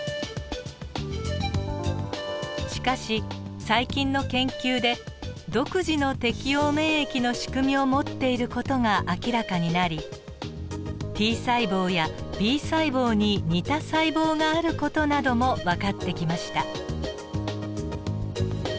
しかし最近の研究で独自の適応免疫のしくみを持っている事が明らかになりＴ細胞やＢ細胞に似た細胞がある事などもわかってきました。